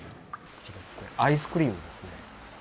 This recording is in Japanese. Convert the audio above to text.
アイスクリームですね。